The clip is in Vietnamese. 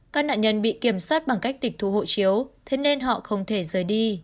các nạn nhân bị kiểm soát bằng cách tịch thu hộ chiếu thế nên họ không thể rời đi